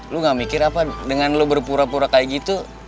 lu gak mikir apa dengan lo berpura pura kayak gitu